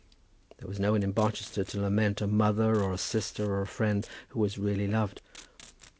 There was no one in Barchester to lament a mother, or a sister, or a friend who was really loved.